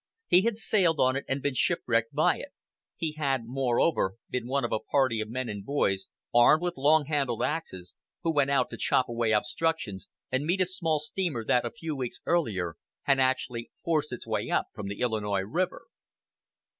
He had sailed on it and been shipwrecked by it; he had, moreover, been one of a party of men and boys, armed with long handled axes, who went out to chop away obstructions and meet a small steamer that, a few weeks earlier, had actually forced its way up from the Illinois River.